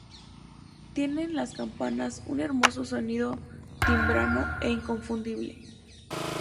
Tienen las campanas un hermoso sonido timbrado e inconfundible.